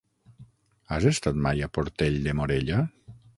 Has estat mai a Portell de Morella?